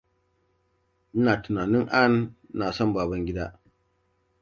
Ina tunanin Ann na son Babangida.